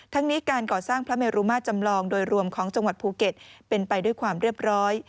ทั้งนี้การก่อสร้างพระเมรุมาจำลองโดยรวมของจังหวัดภูเก็ตเป็นไปด้วยความเรียบร้อย